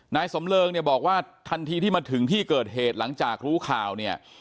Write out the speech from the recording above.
นายสำเริงเนี่ยบอกว่าทันทีที่มาถึงที่เกิดเหตุหลังจากรู้ข่าวเนี่ย